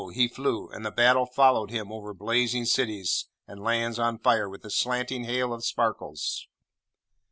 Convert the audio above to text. he flew, and the battle followed him over blazing cities and lands on fire with the slanting hail of sparkles.